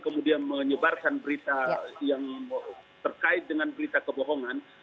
kemudian menyebarkan berita yang terkait dengan berita kebohongan